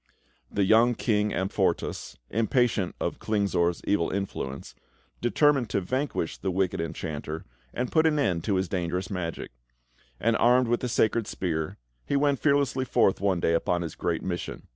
The young King Amfortas, impatient of Klingsor's evil influence, determined to vanquish the wicked Enchanter and put an end to his dangerous magic; and, armed with the sacred spear, he went fearlessly forth one day upon his great mission.